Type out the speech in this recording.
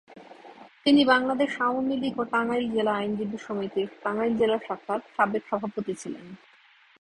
তিনি বাংলাদেশ আওয়ামী লীগ ও টাঙ্গাইল জেলা আইনজীবী সমিতির টাঙ্গাইল জেলা শাখার সাবেক সভাপতি ছিলেন।